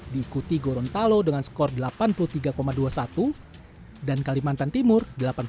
diikuti gorontalo dengan skor delapan puluh tiga dua puluh satu dan kalimantan timur delapan puluh satu sembilan puluh sembilan